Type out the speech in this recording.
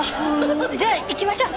じゃあ行きましょう。